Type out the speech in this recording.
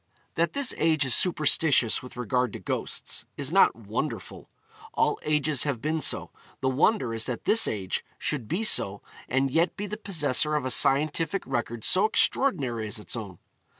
That this age is superstitious with regard to ghosts, is not wonderful; all ages have been so; the wonder is that this age should be so and yet be the possessor of a scientific record so extraordinary as its own.